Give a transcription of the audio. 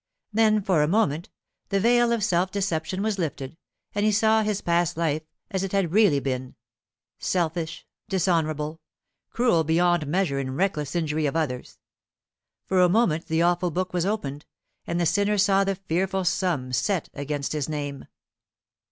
Then, for a moment, the veil of self deception was lifted, and he saw his past life as it had really been, selfish, dishonourable, cruel beyond measure in reckless injury of others. For a moment the awful book was opened, and the sinner saw the fearful sum set against his name.